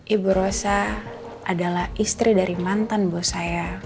ibu rosa adalah istri dari mantan bos saya